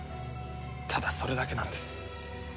ただそれだけなんです。